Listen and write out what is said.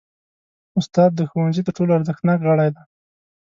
استاد د ښوونځي تر ټولو ارزښتناک غړی دی.